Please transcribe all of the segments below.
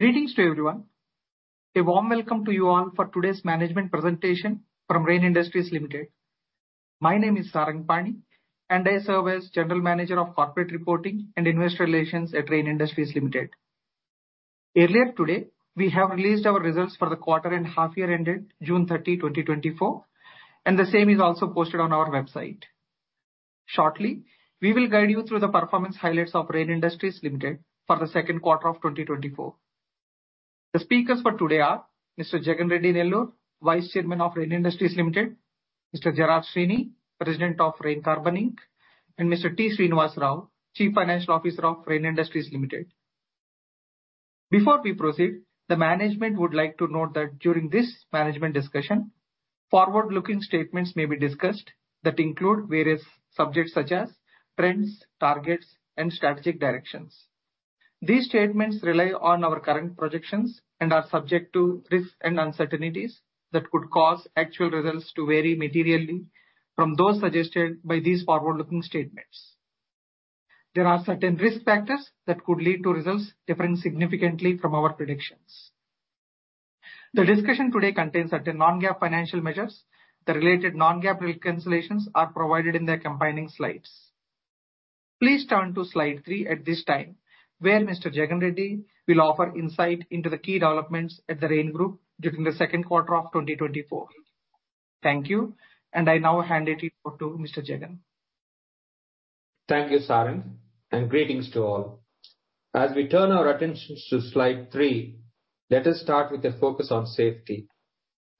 Greetings to everyone. A warm welcome to you all for today's management presentation from Rain Industries Limited. My name is Saranga Pani, and I serve as General Manager of Corporate Reporting and Investor Relations at Rain Industries Limited. Earlier today, we have released our results for the quarter and half-year end date 30 June 2024, and the same is also posted on our website. Shortly, we will guide you through the performance highlights of Rain Industries Limited for the Q2 of 2024. The speakers for today are Mr. Jagan Reddy Nellore, Vice Chairman of Rain Industries Limited, Mr. Gerard Sweeney, President of Rain Carbon Inc, and Mr. T. Srinivasa Rao, Chief Financial Officer of Rain Industries Limited. Before we proceed, the management would like to note that during this management discussion, forward-looking statements may be discussed that include various subjects such as trends, targets, and strategic directions. These statements rely on our current projections and are subject to risks and uncertainties that could cause actual results to vary materially from those suggested by these forward-looking statements. There are certain risk factors that could lead to results differing significantly from our predictions. The discussion today contains certain non-GAAP financial measures. The related non-GAAP reconciliations are provided in the accompanying slides. Please turn to slide three at this time, where Mr. Jagan Reddy will offer insight into the key developments at the Rain Group during the Q2 of 2024. Thank you, and I now hand it over to Mr. Jagan. Thank you, Saranga, and greetings to all. As we turn our attentions to slide three, let us start with a focus on safety.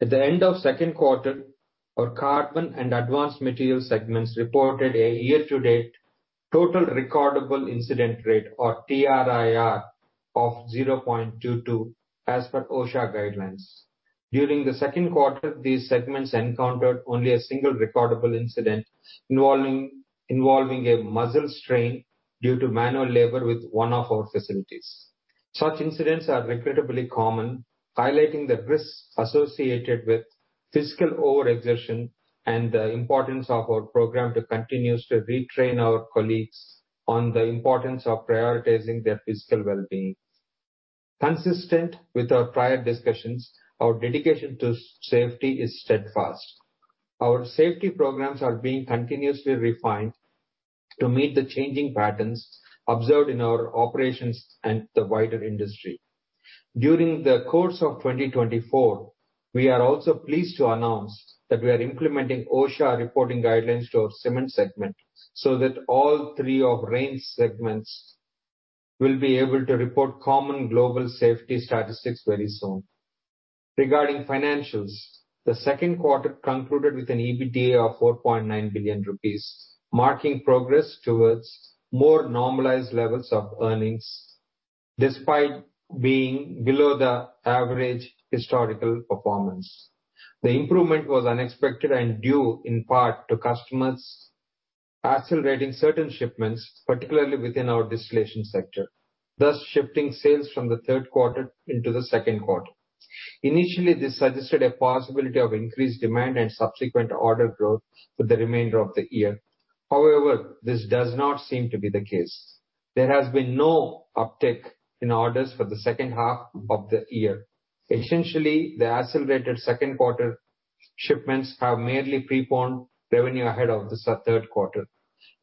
At the end of the Q2, our carbon and advanced materials segments reported a year-to-date total recordable incident rate, or TRIR, of 0.22, as per OSHA guidelines. During the Q2, these segments encountered only a single recordable incident involving a muscle strain due to manual labor with one of our facilities. Such incidents are repeatedly common, highlighting the risks associated with physical overexertion and the importance of our program to continue to retrain our colleagues on the importance of prioritizing their physical well-being. Consistent with our prior discussions, our dedication to safety is steadfast. Our safety programs are being continuously refined to meet the changing patterns observed in our operations and the wider industry. During the course of 2024, we are also pleased to announce that we are implementing OSHA reporting guidelines to our cement segment so that all three of Rain segments will be able to report common global safety statistics very soon. Regarding financials, the Q2 concluded with an EBITDA of 4.9 billion rupees, marking progress towards more normalized levels of earnings despite being below the average historical performance. The improvement was unexpected and due, in part, to customers accelerating certain shipments, particularly within our distillation sector, thus shifting sales from the Q3 into the Q2. Initially, this suggested a possibility of increased demand and subsequent order growth for the remainder of the year. However, this does not seem to be the case. There has been no uptick in orders for the H2 of the year. Essentially, the accelerated Q2 shipments have merely preponed revenue ahead of the Q3.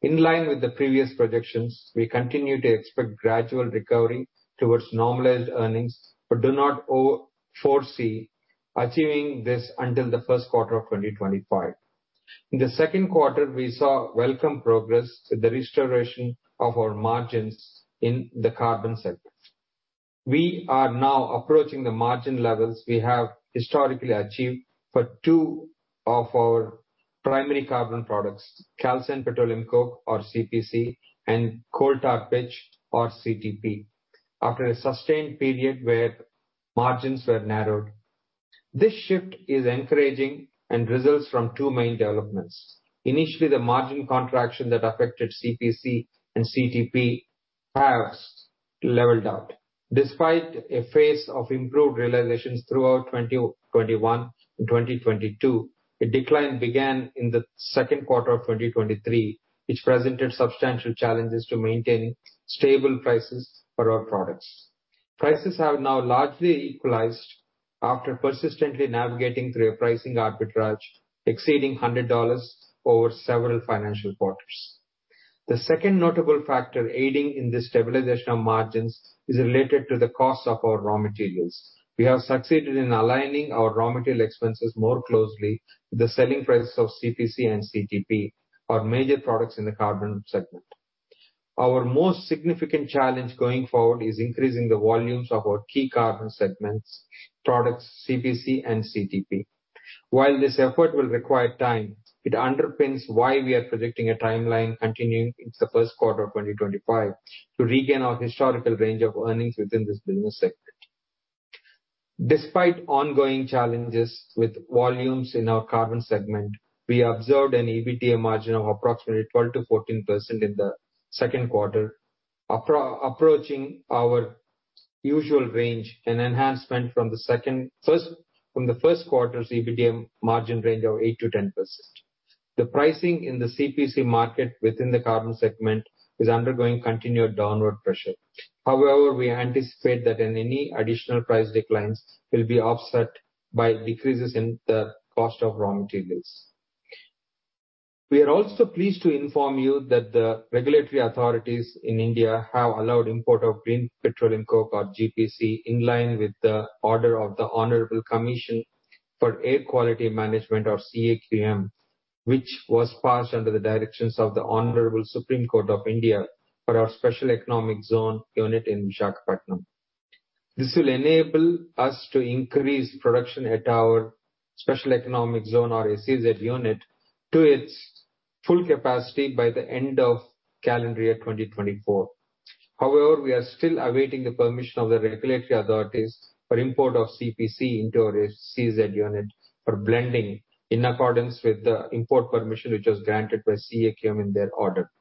In line with the previous projections, we continue to expect gradual recovery towards normalized earnings, but do not foresee achieving this until the Q1 of 2025. In the Q2, we saw welcome progress with the restoration of our margins in the carbon segment. We are now approaching the margin levels we have historically achieved for two of our primary carbon products, calcined petroleum coke, or CPC, and coal tar pitch, or CTP, after a sustained period where margins were narrowed. This shift is encouraging and results from two main developments. Initially, the margin contraction that affected CPC and CTP has levelled out. Despite a phase of improved realizations throughout 2021 and 2022, a decline began in the Q2 of 2023, which presented substantial challenges to maintaining stable prices for our products. Prices have now largely equalized after persistently navigating through a pricing arbitrage exceeding $100 over several financial quarters. The second notable factor aiding in the stabilization of margins is related to the cost of our raw materials. We have succeeded in aligning our raw material expenses more closely with the selling prices of CPC and CTP, our major products in the carbon segment. Our most significant challenge going forward is increasing the volumes of our key carbon segments, products CPC and CTP. While this effort will require time, it underpins why we are projecting a timeline continuing into the Q1 of 2025 to regain our historical range of earnings within this business segment. Despite ongoing challenges with volumes in our carbon segment, we observed an EBITDA margin of approximately 12% to 14% in the Q2, approaching our usual range, an enhancement from the Q1's EBITDA margin range of 8% to 10%. The pricing in the CPC market within the carbon segment is undergoing continued downward pressure. However, we anticipate that any additional price declines will be offset by decreases in the cost of raw materials. We are also pleased to inform you that the regulatory authorities in India have allowed import of green petroleum coke, or GPC, in line with the order of the Honorable Commission for Air Quality Management, or CAQM, which was passed under the directions of the Honorable Supreme Court of India for our Special Economic Zone unit in Visakhapatnam. This will enable us to increase production at our Special Economic Zone, or SEZ unit, to its full capacity by the end of calendar year 2024. However, we are still awaiting the permission of the regulatory authorities for import of CPC into our SEZ unit for blending in accordance with the import permission, which was granted by CAQM in their order.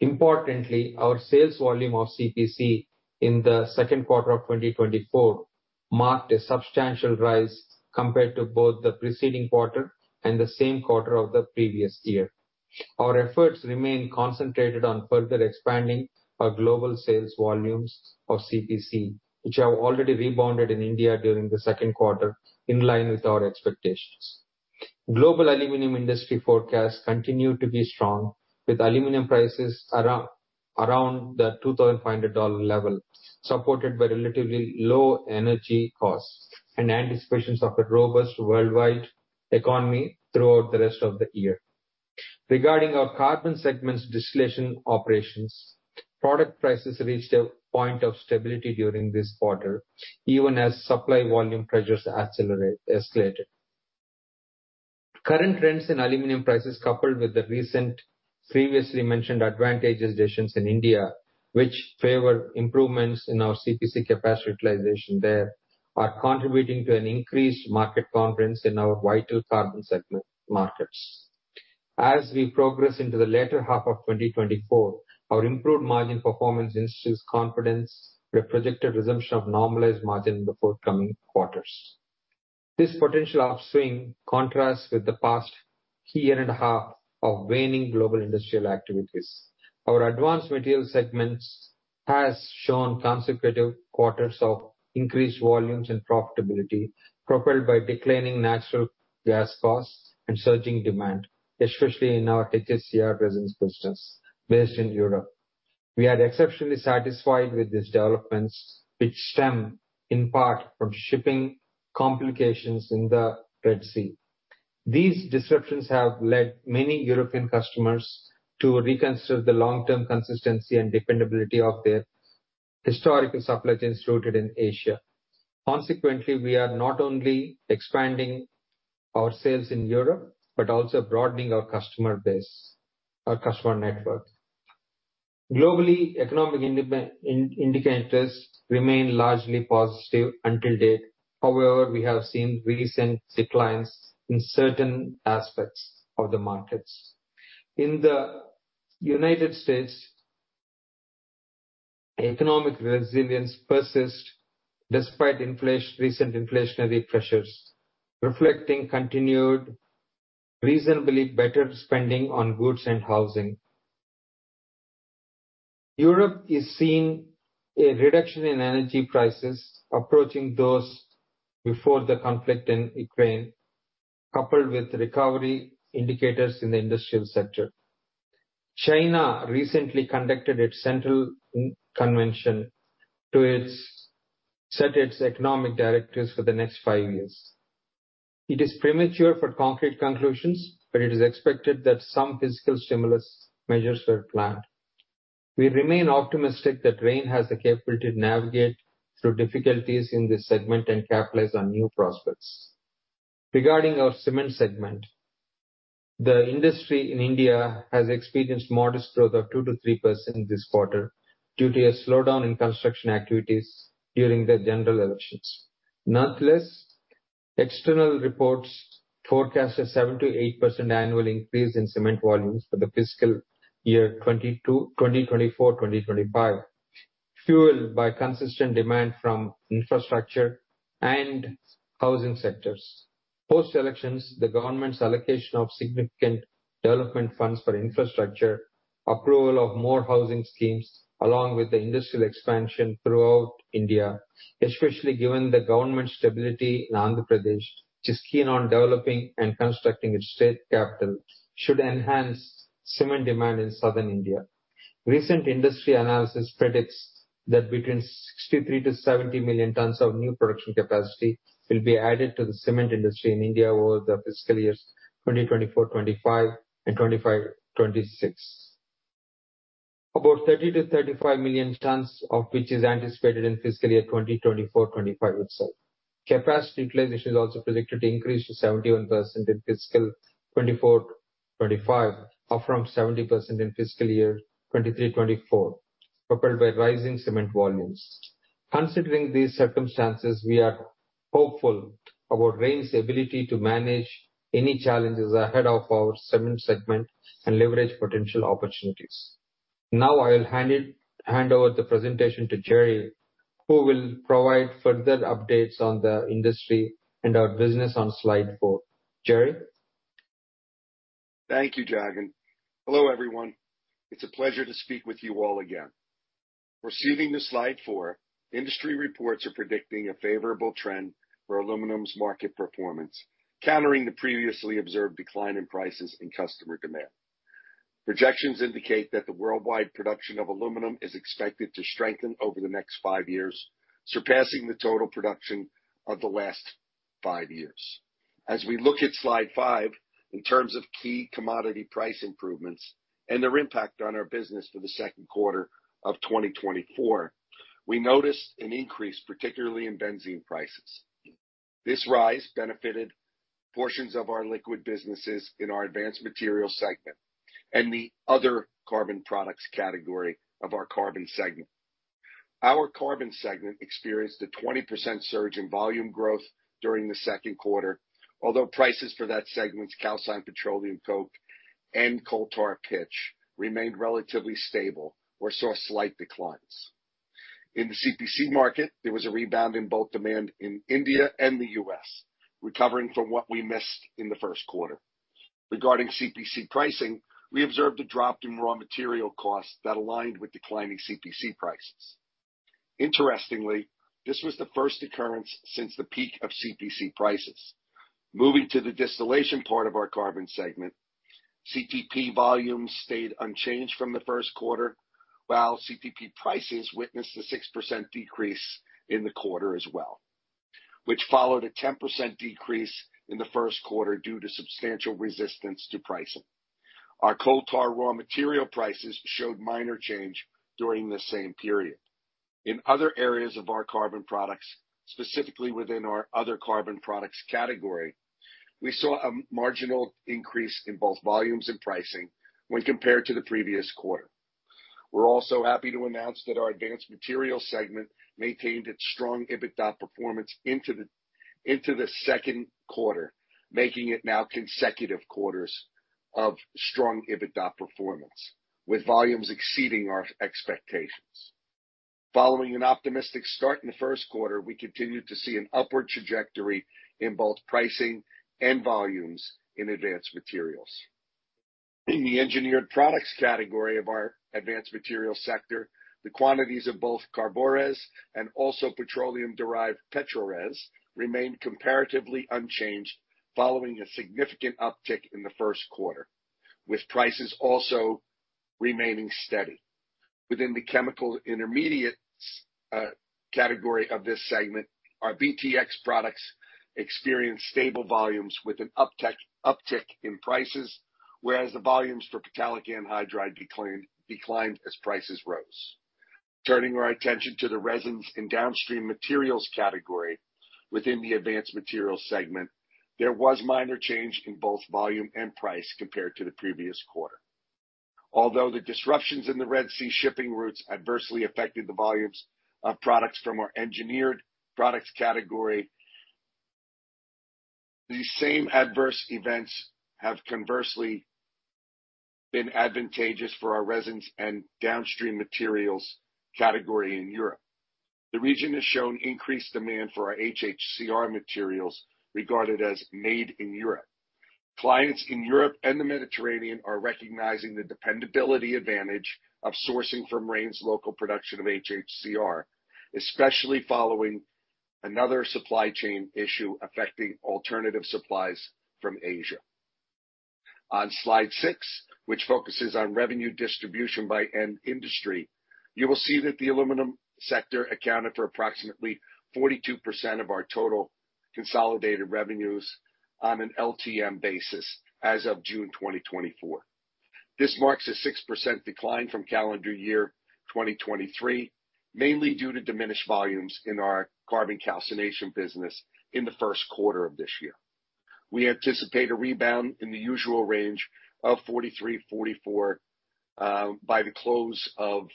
Importantly, our sales volume of CPC in the Q2 of 2024 marked a substantial rise compared to both the preceding quarter and the same quarter of the previous year. Our efforts remain concentrated on further expanding our global sales volumes of CPC, which have already rebounded in India during the Q2 in line with our expectations. Global aluminum industry forecasts continue to be strong, with aluminum prices around the $2,500 level supported by relatively low energy costs and anticipations of a robust worldwide economy throughout the rest of the year. Regarding our carbon segment's distillation operations, product prices reached a point of stability during this quarter, even as supply volume pressures escalated. Current trends in aluminum prices, coupled with the recent previously mentioned advantageous decisions in India, which favor improvements in our CPC capacity utilization there, are contributing to an increased market confidence in our vital carbon segment markets. As we progress into the later half of 2024, our improved margin performance institutes confidence with a projected resumption of normalized margin in the forthcoming quarters. This potential upswing contrasts with the past year and a half of waning global industrial activities. Our advanced materials segments have shown consecutive quarters of increased volumes and profitability propelled by declining natural gas costs and surging demand, especially in our HHCR resins business based in Europe. We are exceptionally satisfied with these developments, which stem in part from shipping complications in the Red Sea. These disruptions have led many European customers to reconsider the long-term consistency and dependability of their historical supply chains rooted in Asia. Consequently, we are not only expanding our sales in Europe but also broadening our customer base, our customer network. Globally, economic indicators remain largely positive to date. However, we have seen recent declines in certain aspects of the markets. In the United States, economic resilience persists despite recent inflationary pressures, reflecting continued reasonably better spending on goods and housing. Europe is seeing a reduction in energy prices approaching those before the conflict in Ukraine, coupled with recovery indicators in the industrial sector. China recently conducted its central convention to set its economic directives for the next five years. It is premature for concrete conclusions, but it is expected that some physical stimulus measures were planned. We remain optimistic that Rain has the capability to navigate through difficulties in this segment and capitalize on new prospects. Regarding our cement segment, the industry in India has experienced modest growth of 2% to 3% this quarter due to a slowdown in construction activities during the general elections. Nonetheless, external reports forecast a 7% to 8% annual increase in cement volumes for the Fiscal year 2024, 2025, fueled by consistent demand from infrastructure and housing sectors. Post-elections, the government's allocation of significant development funds for infrastructure, approval of more housing schemes, along with the industrial expansion throughout India, especially given the government stability in Andhra Pradesh, which is keen on developing and constructing its state capital, should enhance cement demand in southern India. Recent industry analysis predicts that between 63 to 70 million tons of new production capacity will be added to the cement industry in India over the Fiscal years 2024, 2025 and 2025, 2026. About 30 to 35 million tons, of which is anticipated in Fiscal year 2024, 2025 itself. Capacity utilization is also projected to increase to 71% in Fiscal 2024, 2025, up from 70% in Fiscal year 2023, 2024, propelled by rising cement volumes. Considering these circumstances, we are hopeful about Rain's ability to manage any challenges ahead of our cement segment and leverage potential opportunities. Now, I will hand over the presentation to Gerry, who will provide further updates on the industry and our business on slide four. Gerry? Thank you, Jagan. Hello, everyone. It's a pleasure to speak with you all again. Proceeding to slide four, industry reports are predicting a favourable trend for aluminum's market performance, countering the previously observed decline in prices and customer demand. Projections indicate that the worldwide production of aluminum is expected to strengthen over the next five years, surpassing the total production of the last five years. As we look at slide five in terms of key commodity price improvements and their impact on our business for the Q2 of 2024, we noticed an increase, particularly in benzene prices. This rise benefited portions of our liquid businesses in our advanced materials segment and the other carbon products category of our carbon segment. Our carbon segment experienced a 20% surge in volume growth during the Q2, although prices for that segment's calcined petroleum coke and coal tar pitch remained relatively stable or saw slight declines. In the CPC market, there was a rebound in both demand in India and the US, recovering from what we missed in the Q1. Regarding CPC pricing, we observed a drop in raw material costs that aligned with declining CPC prices. Interestingly, this was the first occurrence since the peak of CPC prices. Moving to the distillation part of our carbon segment, CTP volumes stayed unchanged from the Q1, while CTP prices witnessed a 6% decrease in the quarter as well, which followed a 10% decrease in the Q1 due to substantial resistance to pricing. Our coal tar raw material prices showed minor change during the same period. In other areas of our carbon products, specifically within our other carbon products category, we saw a marginal increase in both volumes and pricing when compared to the previous quarter. We're also happy to announce that our advanced materials segment maintained its strong EBITDA performance into the Q2, making it now consecutive quarters of strong EBITDA performance, with volumes exceeding our expectations. Following an optimistic start in the Q1, we continue to see an upward trajectory in both pricing and volumes in advanced materials. In the engineered products category of our advanced materials sector, the quantities of both CARBORES and also petroleum-derived PETRORES remained comparatively unchanged following a significant uptick in the Q1, with prices also remaining steady. Within the chemical intermediate category of this segment, our BTX products experienced stable volumes with an uptick in prices, whereas the volumes for phthalic anhydride declined as prices rose. Turning our attention to the resins in downstream materials category within the advanced materials segment, there was minor change in both volume and price compared to the previous quarter. Although the disruptions in the Red Sea shipping routes adversely affected the volumes of products from our engineered products category, the same adverse events have conversely been advantageous for our resins and downstream materials category in Europe. The region has shown increased demand for our HHCR materials regarded as made in Europe. Clients in Europe and the Mediterranean are recognizing the dependability advantage of sourcing from Rain's local production of HHCR, especially following another supply chain issue affecting alternative supplies from Asia. On slide six, which focuses on revenue distribution by end industry, you will see that the aluminum sector accounted for approximately 42% of our total consolidated revenues on an LTM basis as of June 2024. This marks a 6% decline from calendar year 2023, mainly due to diminished volumes in our carbon calcination business in the Q1 of this year. We anticipate a rebound in the usual range of 43 to 44 by the close of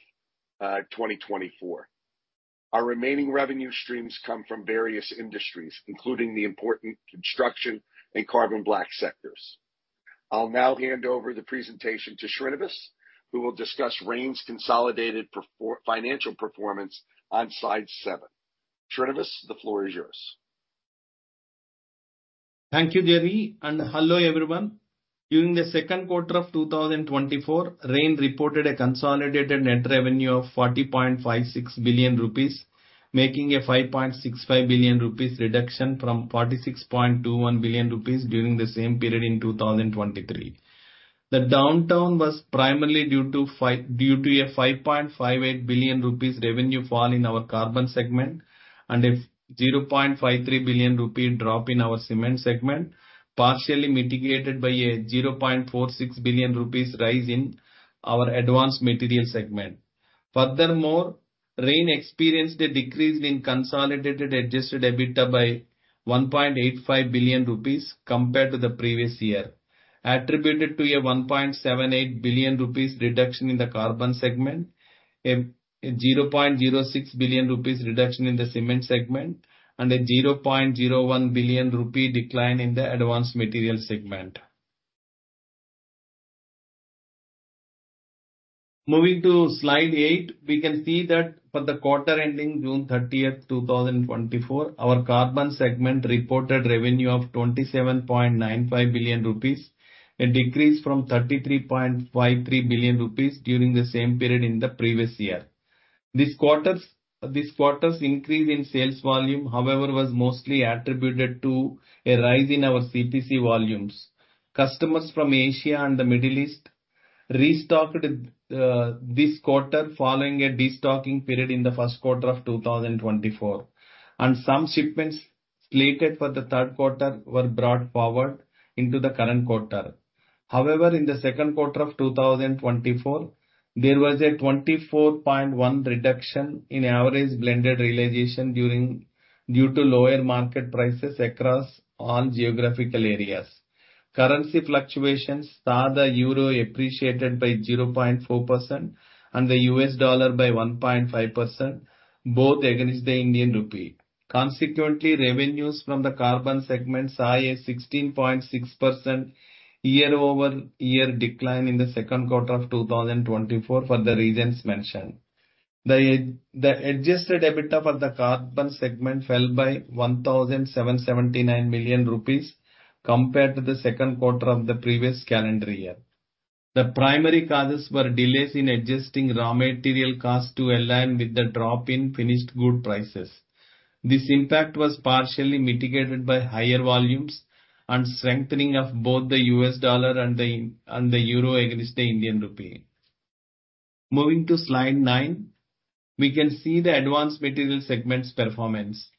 2024. Our remaining revenue streams come from various industries, including the important construction and carbon black sectors. I'll now hand over the presentation to Srinivas, who will discuss Rain's consolidated financial performance on slide seven. Srinivas, the floor is yours. Thank you, Gerry. Hello, everyone. During the Q2 of 2024, Rain reported a consolidated net revenue of 40.56 billion rupees, making a 5.65 billion rupees reduction from 46.21 billion rupees during the same period in 2023. The downturn was primarily due to a 5.58 billion rupees revenue fall in our carbon segment and a 0.53 billion rupees drop in our cement segment, partially mitigated by a 0.46 billion rupees rise in our advanced materials segment. Furthermore, Rain experienced a decrease in consolidated Adjusted EBITDA by 1.85 billion rupees compared to the previous year, attributed to a 1.78 billion rupees reduction in the carbon segment, a 0.06 billion rupees reduction in the cement segment, and a 0.01 billion rupee decline in the advanced materials segment. Moving to slide eight, we can see that for the quarter ending 30 June 2024, our carbon segment reported revenue of 27.95 billion rupees, a decrease from 33.53 billion rupees during the same period in the previous year. This quarter's increase in sales volume, however, was mostly attributed to a rise in our CPC volumes. Customers from Asia and the Middle East restocked this quarter following a destocking period in the Q1 of 2024, and some shipments slated for the Q3 were brought forward into the current quarter. However, in the Q2 of 2024, there was a 24.1% reduction in average blended realization due to lower market prices across all geographical areas. Currency fluctuations saw the euro appreciated by 0.4% and the US dollar by 1.5%, both against the Indian rupee. Consequently, revenues from the carbon segment saw a 16.6% year-over-year decline in the Q2 of 2024 for the reasons mentioned. The Adjusted EBITDA for the carbon segment fell by 1,779 million rupees compared to the Q2 of the previous calendar year. The primary causes were delays in adjusting raw material costs to align with the drop in finished good prices. This impact was partially mitigated by higher volumes and strengthening of both the US dollar and the euro against the Indian rupee. Moving to slide nine, we can see the advanced materials segment's performance.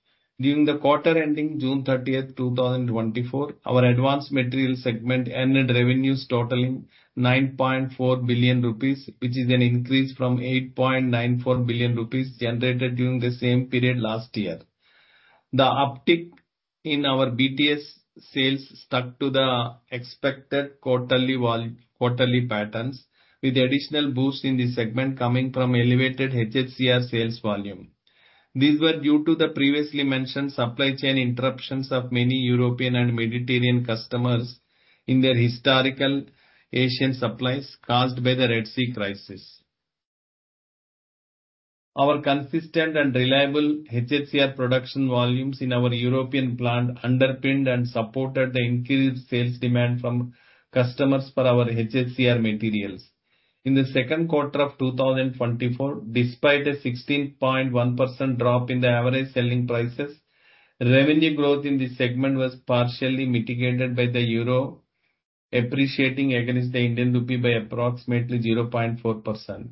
During the quarter ending 30 June 2024, our advanced materials segment earned revenues totaling 9.4 billion rupees, which is an increase from 8.94 billion rupees generated during the same period last year. The uptick in our BTX sales stuck to the expected quarterly patterns, with additional boosts in the segment coming from elevated HHCR sales volume. These were due to the previously mentioned supply chain interruptions of many European and Mediterranean customers in their historical Asian supplies caused by the Red Sea crisis. Our consistent and reliable HHCR production volumes in our European plant underpinned and supported the increased sales demand from customers for our HHCR materials. In the Q2 of 2024, despite a 16.1% drop in the average selling prices, revenue growth in the segment was partially mitigated by the euro appreciating against the Indian rupee by approximately 0.4%.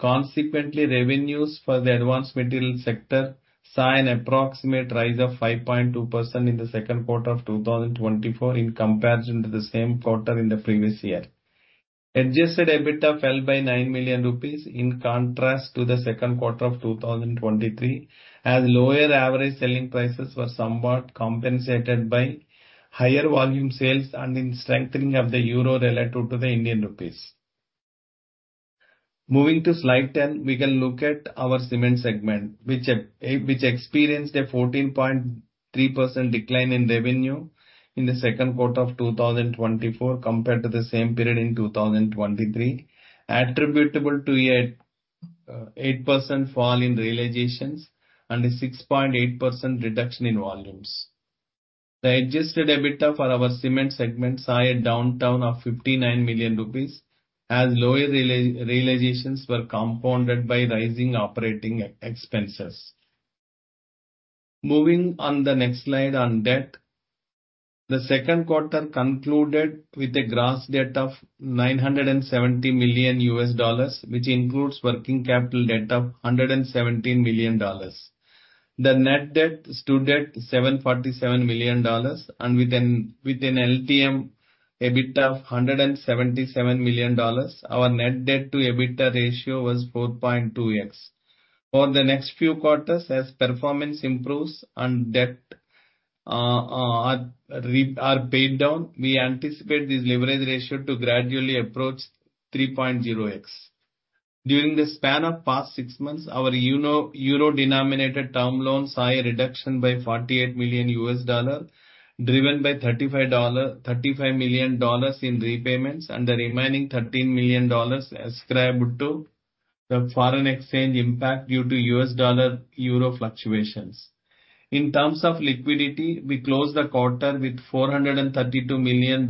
Consequently, revenues for the advanced materials sector saw an approximate rise of 5.2% in the Q2 of 2024 in comparison to the same quarter in the previous year. Adjusted EBITDA fell by 9 million rupees in contrast to the Q2 of 2023, as lower average selling prices were somewhat compensated by higher volume sales and a strengthening of the euro relative to the Indian rupees. Moving to slide 10, we can look at our cement segment, which experienced a 14.3% decline in revenue in the Q2 of 2024 compared to the same period in 2023, attributable to an 8% fall in realizations and a 6.8% reduction in volumes. The adjusted EBITDA for our cement segment saw a downturn of 59 million rupees, as lower realizations were compounded by rising operating expenses. Moving on to the next slide on debt, the Q2 concluded with a gross debt of $970 million, which includes working capital debt of $117 million. The net debt stood at $747 million, and with an LTM EBITDA of $177 million, our net debt-to-EBITDA ratio was 4.2x. For the next few quarters, as performance improves and debts are paid down, we anticipate this leverage ratio to gradually approach 3.0x. During the span of past six months, our euro-denominated term loans saw a reduction by $48 million, driven by $35 million in repayments and the remaining $13 million ascribed to the foreign exchange impact due to US dollar-euro fluctuations. In terms of liquidity, we closed the quarter with $432 million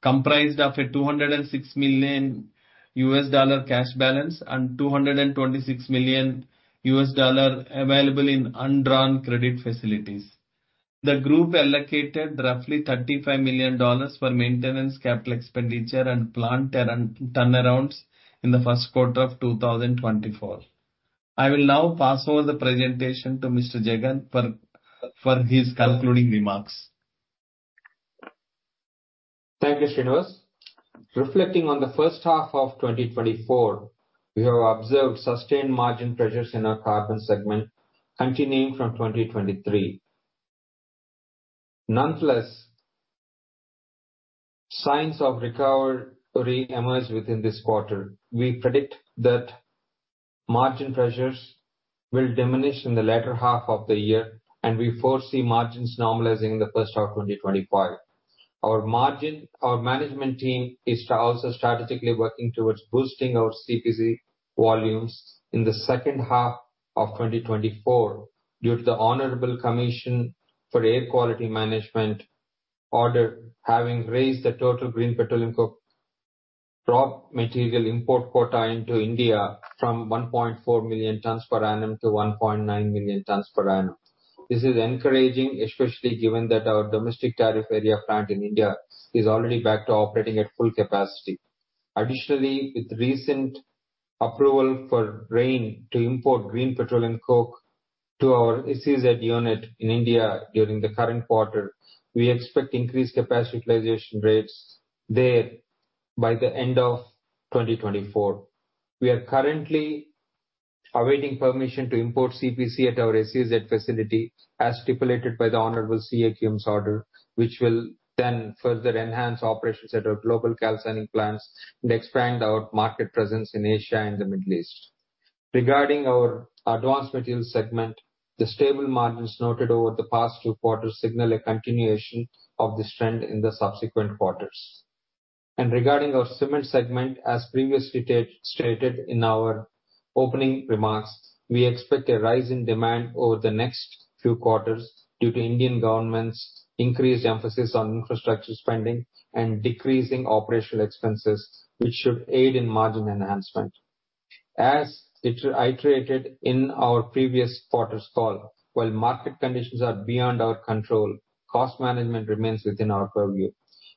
comprised of a $206 million US dollar cash balance and $226 million US dollar available in undrawn credit facilities. The group allocated roughly $35 million for maintenance capital expenditure and plant turnarounds in the Q1 of 2024. I will now pass over the presentation to Mr. Jagan for his concluding remarks. Thank you, Srinivas. Reflecting on the H1 of 2024, we have observed sustained margin pressures in our carbon segment continuing from 2023. Nonetheless, signs of recovery emerge within this quarter. We predict that margin pressures will diminish in the latter half of the year, and we foresee margins normalizing in the H1 of 2025. Our management team is also strategically working towards boosting our CPC volumes in the H2 of 2024 due to the honorable Commission for Air Quality Management order having raised the total green petroleum coke material import quota into India from 1.4 million tons per annum to 1.9 million tons per annum. This is encouraging, especially given that our Domestic Tariff Area plant in India is already back to operating at full capacity. Additionally, with recent approval for Rain to import green petroleum coke to our SEZ unit in India during the current quarter, we expect increased capacity utilization rates there by the end of 2024. We are currently awaiting permission to import CPC at our SEZ facility, as stipulated by the honorable CAQM's order, which will then further enhance operations at our global calcining plants and expand our market presence in Asia and the Middle East. Regarding our advanced materials segment, the stable margins noted over the past two quarters signal a continuation of this trend in the subsequent quarters. Regarding our cement segment, as previously stated in our opening remarks, we expect a rise in demand over the next few quarters due to Indian government's increased emphasis on infrastructure spending and decreasing operational expenses, which should aid in margin enhancement. As iterated in our previous quarter's call, while market conditions are beyond our control, cost management remains within our purview.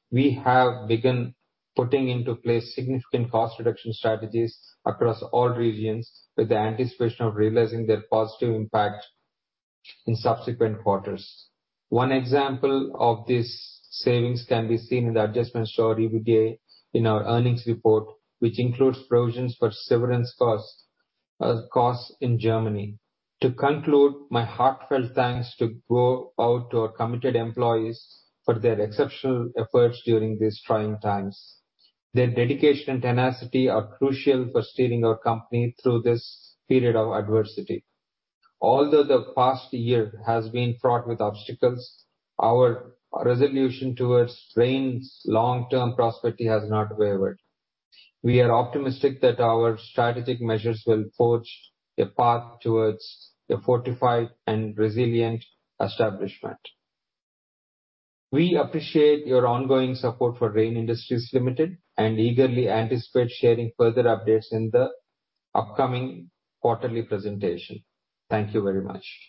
We have begun putting into place significant cost reduction strategies across all regions with the anticipation of realizing their positive impact in subsequent quarters. One example of these savings can be seen in the adjusted EBITDA in our earnings report, which includes provisions for severance costs in Germany. To conclude, my heartfelt thanks go out to our committed employees for their exceptional efforts during these trying times. Their dedication and tenacity are crucial for steering our company through this period of adversity. Although the past year has been fraught with obstacles, our resolution towards Rain's long-term prosperity has not wavered. We are optimistic that our strategic measures will forge a path towards a fortified and resilient establishment. We appreciate your ongoing support for Rain Industries Limited and eagerly anticipate sharing further updates in the upcoming quarterly presentation. Thank you very much.